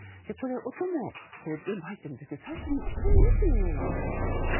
音も全部入っていたんですが最初に人の息のような音が聞こえて。